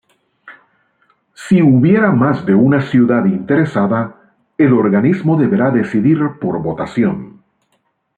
Si hubiera más de una ciudad interesada, el organismo deberá decidir por votación.